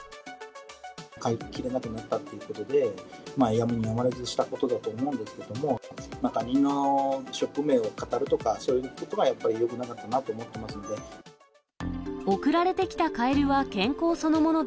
飼いきれなくなったということで、やむにやまれずしたことだと思うんですけども、他人のショップ名をかたるとか、そういうことはやっぱりよくなかったなと思ってますので。